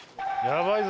やばい。